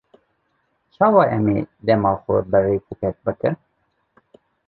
Çawa em ê dema xwe bi rêkûpêk bikin?